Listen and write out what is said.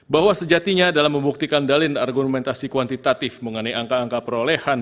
bahwa sejatinya dalam membuktikan dalin argumentasi kuantitatif mengenai angka angka perolehan